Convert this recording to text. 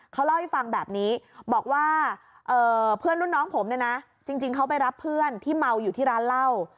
เขาเล่าให้ฟังแบบนี้บอกว่าเพื่อนรุ่นน้องผมเนี่ยนะจริงเขาไปรับเพื่อนที่เมาอยู่ที่ร้านเหล้า